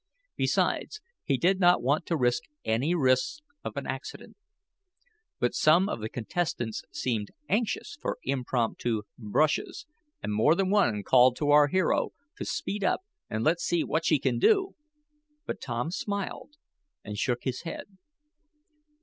Besides, he did not want to run any risks of an accident. But some of the contestants seemed anxious for impromptu "brushes," and more than one called to our hero to "speed up and let's see what she can do." But Tom smiled, and shook his head.